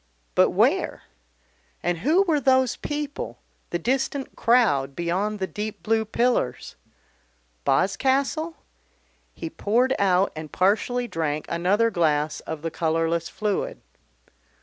But where? And who were those people, the distant crowd beyond the deep blue pillars? Boscastle? He poured out and partially drank another glass of the colourless fluid.